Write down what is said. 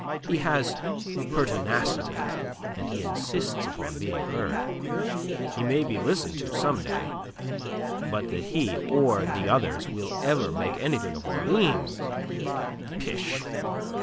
He has pertinacity, and he insists upon being heard. He may be listened to some day. But that he, or the others, will ever make anything of Orleans... pish!